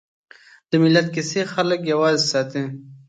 د ملت کیسې خلک یوځای ساتي.